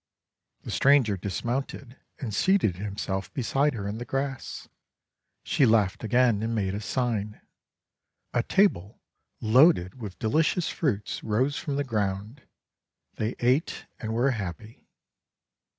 The stranger dismounted and seated himself beside her in the grass. She laughed again, and made a sign. A table loaded with delicious 432 THE WONDER GARDEN fruits rose from the ground. They ate and were happy.